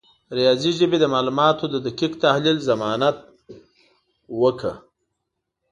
د ریاضي ژبه د معلوماتو د دقیق تحلیل ضمانت وکړه.